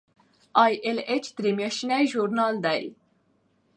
ای ایل ایچ درې میاشتنی ژورنال دی.